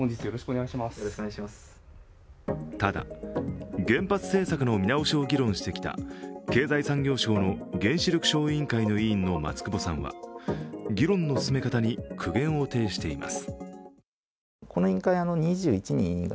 ただ、原発政策の見直しを議論してきた経済産業省の原子力小委員会の松久保さんは議論の進め方に苦言を呈しています。